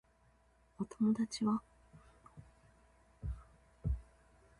お友達は